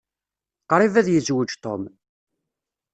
Qṛib ad yezweǧ Tom.